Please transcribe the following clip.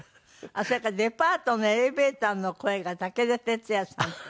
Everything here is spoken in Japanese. それからデパートのエレベーターの声が武田鉄矢さん。